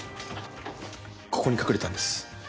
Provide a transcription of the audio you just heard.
ここに隠れたんです。